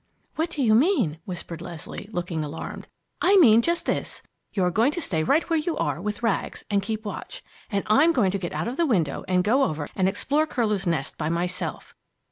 "What do you mean?" whispered Leslie, looking alarmed. "I mean just this. You're going to stay right where you are, with Rags, and keep watch. And I'm going to get out of the window and go over and explore Curlew's Nest by myself!"